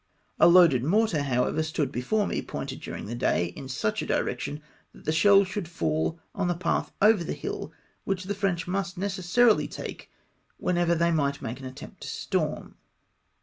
A loaded mortar, however, stood before me, pointed, during the day, in such a direction that the shell should fall on the path over the hill which the French must necessarily take whenever they might make an attempt to storm.